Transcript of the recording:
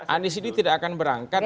anies ini tidak akan berangkat